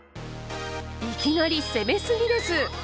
いきなり攻めすぎです！